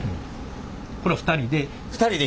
これ２人で？